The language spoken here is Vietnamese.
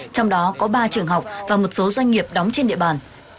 trong đó có ba trường học và một số doanh nghiệp đóng trên địa bàn